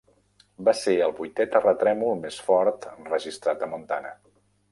Va ser el vuitè terratrèmol més fort registrat a Montana.